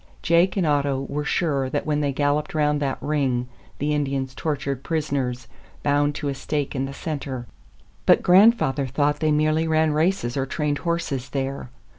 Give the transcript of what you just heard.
Jake and Otto were sure that when they galloped round that ring the Indians tortured prisoners, bound to a stake in the center; but grandfather thought they merely ran races or trained horses there.